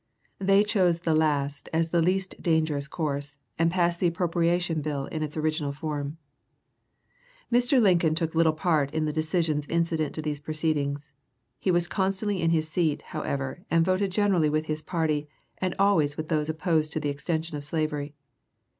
They chose the last as the least dangerous course, and passed the Appropriation Bill in its original form. Mr. Lincoln took little part in the discussions incident to these proceedings; he was constantly in his seat, however, and voted generally with his party, and always with those opposed to the extension of slavery.